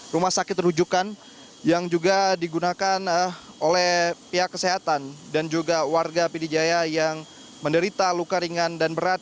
rumah sakit rujukan yang juga digunakan oleh pihak kesehatan dan juga warga pidijaya yang menderita luka ringan dan berat